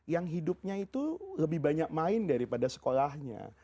yang hidupnya itu lebih banyak main daripada sekolahnya